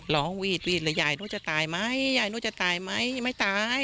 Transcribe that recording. ร้องหวีดแล้วยายนู้นจะตายไหมยายนู้นจะตายไหมไม่ตาย